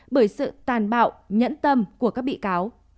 bởi sự tàn bạo nhẫn tâm của các bị cáo